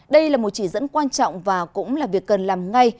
đây là một chỉ dẫn quan trọng và cũng là việc cần làm ngay